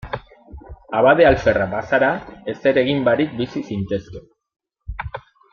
Abade alferra bazara, ezer egin barik bizi zintezke.